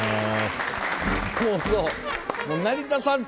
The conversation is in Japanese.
もうそう。